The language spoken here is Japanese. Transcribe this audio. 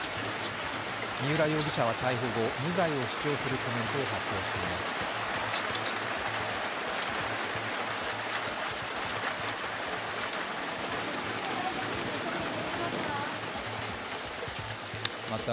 三浦容疑者は逮捕後、無罪を主張するコメントを発表しています。